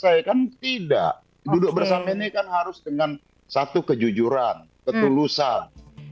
saya kan tidak duduk bersama ini kan harus dengan satu kejujuran ketulusan